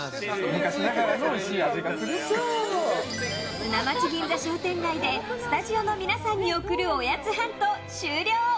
砂町銀座商店街でスタジオの皆さんに送るおやつハント終了。